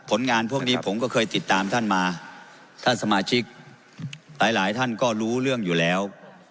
ผลงานพวกนี้ผมก็เคยติดตามท่านมาท่านสมาชิกหลายหลายท่านก็รู้เรื่องอยู่แล้ว